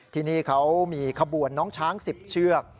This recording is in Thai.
ที่นี่เขามีขบวนน้องช้าง๑๐เชือก